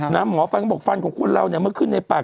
หมอฟันก็บอกฟันของคนเรามันขึ้นในปาก